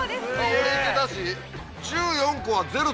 俺いけたし。